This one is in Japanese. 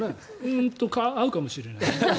合うかもしれない。